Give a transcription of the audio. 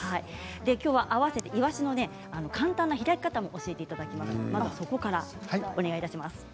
きょうは併せていわしの簡単な開き方も教えていただきます。